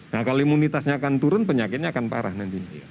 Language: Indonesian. nah kalau imunitasnya akan turun penyakitnya akan parah nanti